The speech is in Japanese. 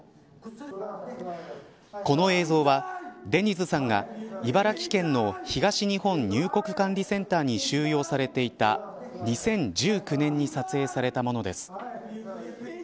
この映像は、デニズさんが茨城県の東日本入国管理センターに収容されていた２０１９年に撮影されたものです。